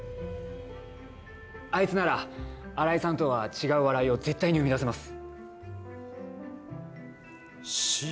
あいつなら荒井さんとは違う笑いを絶対に生み出せます